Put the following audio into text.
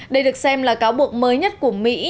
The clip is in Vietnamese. đây được xem là cáo buộc mới nhất của mỹ